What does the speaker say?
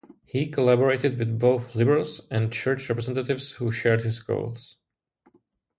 He collaborated with both liberals and church representatives who shared his goals.